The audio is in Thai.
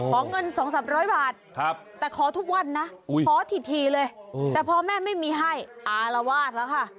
ขอเงิน๒๓๐๐บาทแต่ขอทุกวันนะขอถี่เลยแต่พอแม่ไม่มีให้อารวาสแล้วค่ะ